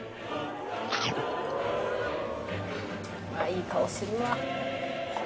いい顔するわ。